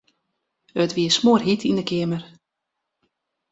It wie smoarhjit yn 'e keamer.